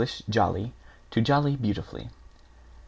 jolly, to jolly beautifully.